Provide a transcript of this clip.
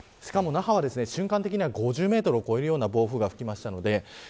那覇は瞬間的には５０メートルを超えるような暴風が吹きました。